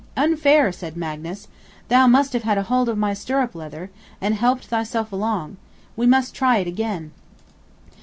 "Unfair," said Magnus; "thou must have had hold of my stirrup leather, and helped thyself along; we must try it again."